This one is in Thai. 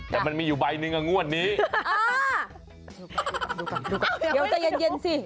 แต่มันมีอยู่ใบหนึ่งกับงวดนี้